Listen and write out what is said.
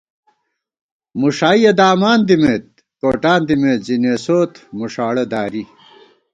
مُݭائیَہ دامان دِمېت، کوٹان دِمېت زی نېسوت مݭاڑہ داری